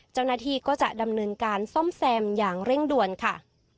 เจ้าหน้าที่ก็จะดำเนินการซ่อมแซมอย่างเร่งด่วนค่ะ